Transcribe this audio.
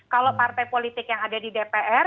kalau partai politik yang ada di dpr